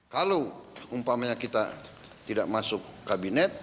kalau umpamanya kita tidak masuk kabinet